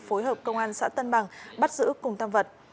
phối hợp công an xã tân bằng bắt giữ cùng tam vật